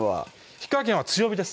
火加減は強火です